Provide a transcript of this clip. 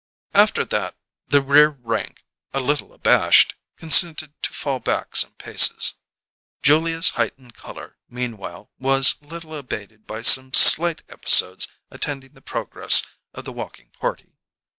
After that the rear rank, a little abashed, consented to fall back some paces. Julia's heightened colour, meanwhile, was little abated by some slight episodes attending the progress of the walking party.